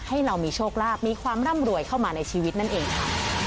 ให้เรามีโชคลาภมีความร่ำรวยเข้ามาในชีวิตนั่นเองค่ะ